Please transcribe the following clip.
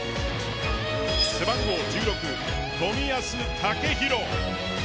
背番号１６、冨安健洋。